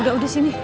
tidak udah sini